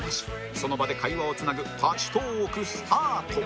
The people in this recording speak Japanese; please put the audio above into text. その場で会話をつなぐ立ちトーークスタート